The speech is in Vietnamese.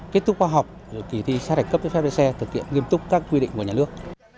kết thúc khoa học kỳ thi sát hạch cấp giấy phép lái xe thực hiện nghiêm túc các quy định của nhà nước